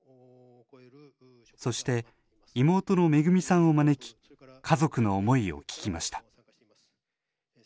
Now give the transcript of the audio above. そして妹のめぐみさんを招き家族の思いを聞きました。